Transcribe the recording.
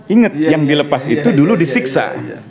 ingat yang dilepas itu dulu disiksa